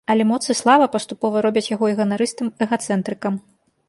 Але моц і слава паступова робяць яго і ганарыстым эгацэнтрыкам.